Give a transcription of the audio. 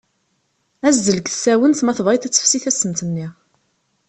Azzel deg tsawent, ma tebɣiḍ ad tefsi tassemt-nni.